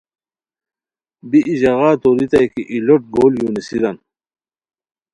بی ای ژاغا توریتائی کی ای لوٹ گول یو نیسیران